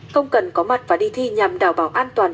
không cần có mặt và đi thi nhằm đảm bảo an toàn